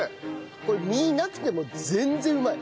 これ身なくても全然うまい。